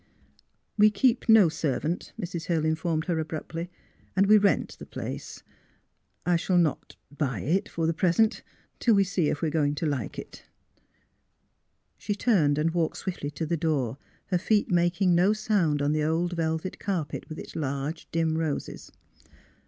^' We keep no servant," Mrs. Hill informed her THE HILL FAMH^Y 61 abruptly. *' And we rent the place. I shall not — buy it, for the present, till we see if we are go ing to like it. '' She turned and walked s"v\T.ftly to the door, her feet making no sound on the old velvet carpet with its large dim roses.